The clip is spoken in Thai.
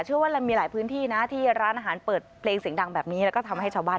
ว่ามันมีหลายพื้นที่นะที่ร้านอาหารเปิดเพลงเสียงดังแบบนี้แล้วก็ทำให้ชาวบ้าน